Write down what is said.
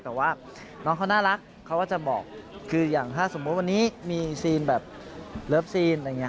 แต่ว่าน้องเขาน่ารักเขาก็จะบอกคืออย่างถ้าสมมุติวันนี้มีซีนแบบเลิฟซีนอะไรอย่างนี้